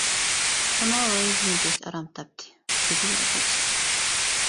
-ئۇنىڭ روھى بۈگۈن كەچتە ئارام تاپتى-، دېدى يازغۇچى.